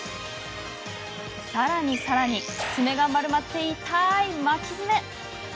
さらにさらに爪が丸まって痛い巻き爪。